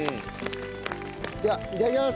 ではいただきます！